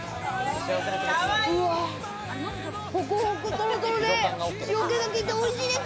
ホクホクトロトロで塩気が効いてて美味しいです。